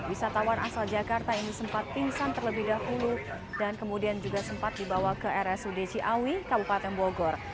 wisatawan asal jakarta ini sempat pingsan terlebih dahulu dan kemudian juga sempat dibawa ke rsud ciawi kabupaten bogor